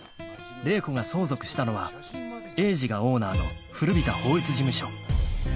［麗子が相続したのは栄治がオーナーの古びた法律事務所］